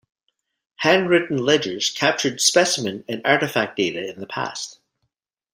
Handwritten ledgers captured specimen and artifact data in the past.